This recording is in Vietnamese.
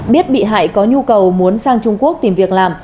biết bị hại có nhu cầu muốn sang trung quốc tìm việc làm